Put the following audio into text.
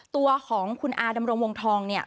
ตัวของคุณอาดำรงวงทองเนี่ย